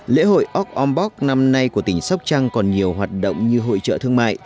lễ hội óc âm bóc năm nay của tỉnh sóc trăng còn nhiều hoạt động như hội chợ thương mại